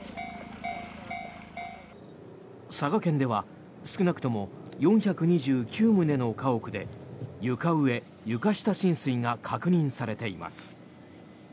佐賀県では少なくとも４２９棟の家屋で床上・床下浸水が確認されています。